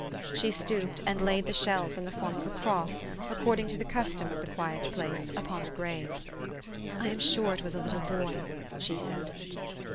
She stooped, and laid the shells in the form of a cross, according to the custom of the quiet place, upon the grave. " I am sure it was a little boy," she said.